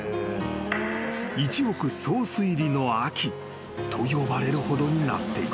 ［「一億総推理の秋」と呼ばれるほどになっていた］